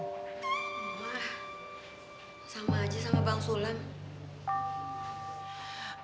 wah sama aja sama bang sulam